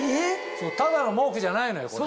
ただの毛布じゃないのよこれ。